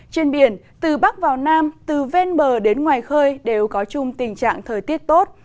trên biển từ bắc vào nam từ ven bờ đến ngoài khơi đều có chung tình trạng thời tiết tốt